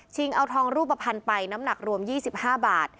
ชิงเอาทองรูปประพันธ์ไปน้ำหนักรวม๒๕บาท